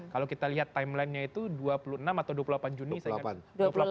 kalau kita lihat timeline nya itu dua puluh enam atau dua puluh delapan juni saya kira